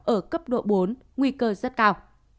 ở cấp độ bốn nguy cơ rất cao